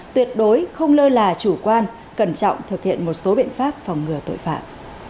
tuyệt đối không lơ là chủ quan cẩn trọng thực hiện một số biện pháp phòng ngừa tội phạm